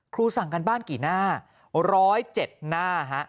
สั่งการบ้านกี่หน้า๑๐๗หน้าฮะ